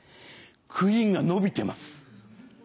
クイーンが伸びてます。